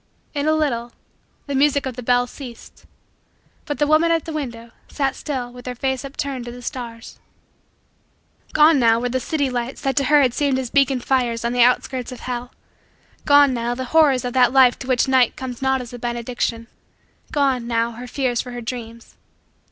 In a little, the music of the bells ceased. But the woman, at the window, sat still with her face upturned to the stars. Gone, now, were the city lights that to her had seemed as beacon fires on the outskirts of hell. Gone, now, the horrors of that life to which night comes not as a benediction. Gone, now, her fears for her dreams.